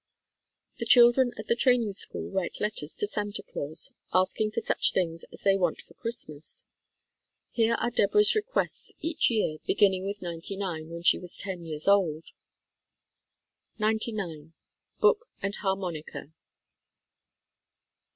The children at the Training School write letters to Santa Claus asking for such things as they want for Christmas. Here are Deborah's requests each year, beginning with '99, when she was ten years old : "'99. Book and harmonica. 'oo.